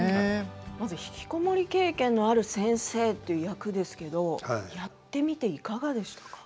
まず、ひきこもり経験のある先生という役ですけれどもやってみていかがでしたか？